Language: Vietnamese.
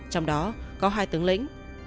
trong đó có hai tướng lĩnh